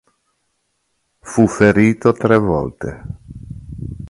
Fu ferito tre volte.